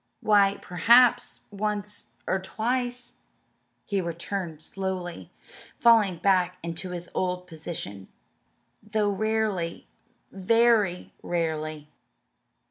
"Why, perhaps once or twice," he returned slowly, falling back into his old position, "though rarely very rarely."